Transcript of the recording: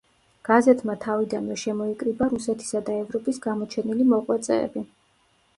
გაზეთმა თავიდანვე შემოიკრიბა რუსეთისა და ევროპის გამოჩენილი მოღვაწეები.